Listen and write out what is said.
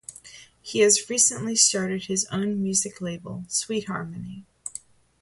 He has recently started his own music label, Sweet Harmony.